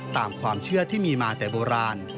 ตามความเชื่อที่มีมาแต่โบราณ